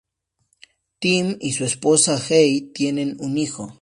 Tim y su esposa Jade tienen un hijo.